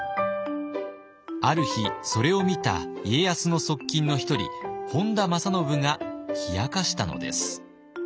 ある日それを見た家康の側近の１人本多正信が冷やかしたのです。